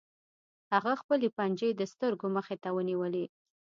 هغه خپلې پنجې د سترګو مخې ته ونیولې